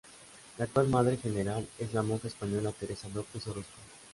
La actual madre general es la monja española Teresa López Orozco